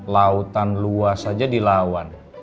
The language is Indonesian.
lautan luas aja dilawan